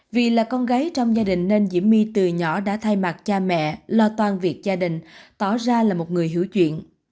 vì là con gái trong gia đình nên diễm my từ nhỏ đã thay mặt cha mẹ lo toan việc gia đình tỏ ra là một người hiểu chuyện